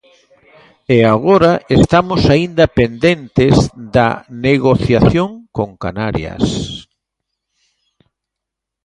E agora estamos aínda pendentes da negociación con Canarias.